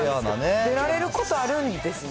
出られることあるんですね。